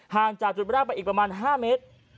ห่างจากจุดแรกไปอีกประมาณ๕เมตร